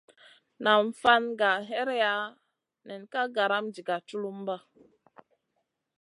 Nam fan gah hèreya nen ka garam diga tchulumba.